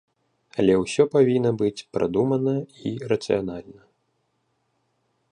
Але ўсё павінна быць прадумана і рацыянальна.